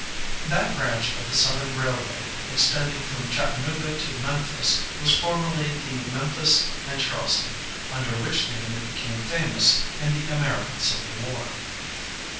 That branch of the Southern railway extending from Chattanooga to Memphis was formerly the Memphis & Charleston, under which name it became famous in the American Civil War.